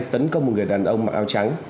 tấn công một người đàn ông mặc áo trắng